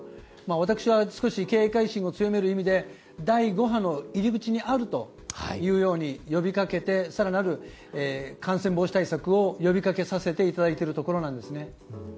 私は少し警戒心を強める意味で第５波の入り口にあると呼びかけて更なる感染防止対策を呼びかけさせていただいているところなんですね。